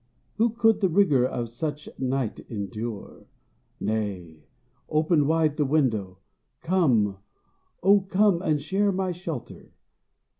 Who could the rigor of such night endure? Nay, open wide the window. Come, oh, come, And share my shelter!